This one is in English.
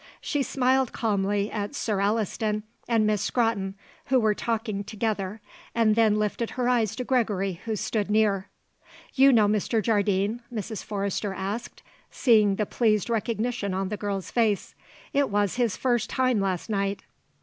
She smiled calmly at Sir Alliston and Miss Scrotton who were talking together and then lifted her eyes to Gregory who stood near. "You know Mr. Jardine?" Mrs. Forrester asked, seeing the pleased recognition on the girl's face. "It was his first time last night."